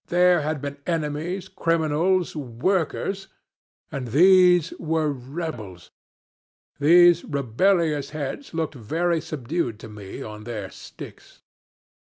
There had been enemies, criminals, workers and these were rebels. Those rebellious heads looked very subdued to me on their sticks.